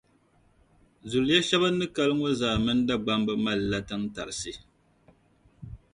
Zuliya shԑba n ni kali ŋᴐ zaa mini Dagbamba malila tintarisi